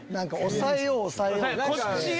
抑えよう抑えようとして。